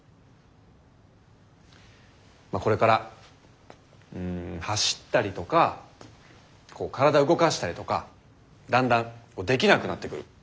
まあこれから走ったりとか体動かしたりとかだんだんできなくなってくる。